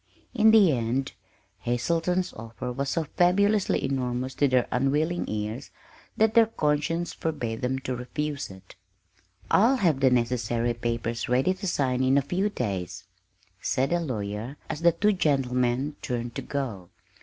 In the end, Hazelton's offer was so fabulously enormous to their unwilling ears that their conscience forbade them to refuse it. "I'll have the necessary papers ready to sign in a few days," said the lawyer as the two gentlemen turned to go.